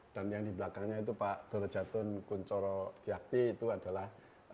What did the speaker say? dan yang di belakangnya itu pak dorjaton kunchoro gyakti itu adalah